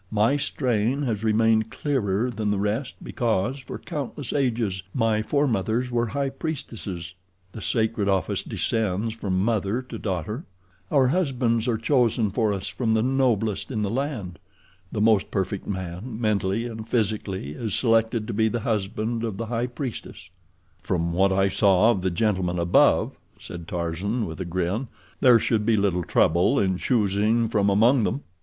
My strain has remained clearer than the rest because for countless ages my foremothers were high priestesses—the sacred office descends from mother to daughter. Our husbands are chosen for us from the noblest in the land. The most perfect man, mentally and physically, is selected to be the husband of the high priestess." "From what I saw of the gentlemen above," said Tarzan, with a grin, "there should be little trouble in choosing from among them."